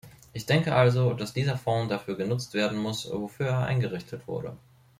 Ich denke also, dass dieser Fonds dafür genutzt werden muss, wofür er eingerichtet wurde.